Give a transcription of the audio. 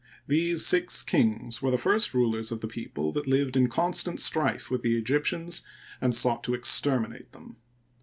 These six kings were the first rulers of the people that lived in constant strife with the Egyptians and sought to exterminate them.